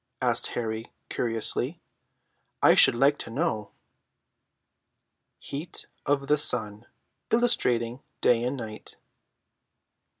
asked Harry curiously. "I should like to know." HEAT OF THE SUN. [Illustration: ILLUSTRATING DAY AND NIGHT.